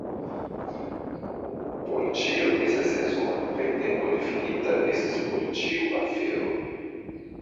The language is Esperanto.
Por ĉio estas sezono, kaj tempo difinita estas por ĉiu afero.